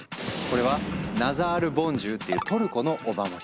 これはナザール・ボンジュウっていうトルコのお守り。